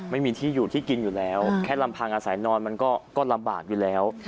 ไม่มีที่อยู่ที่กินอยู่แล้วแค่ลำพังอาศัยนอนมันก็ลำบากอยู่แล้ว